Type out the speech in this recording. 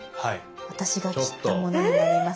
私が切ったものになります。